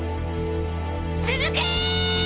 続け！